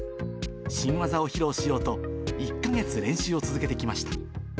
新技を披露しようと、１か月練習を続けてきました。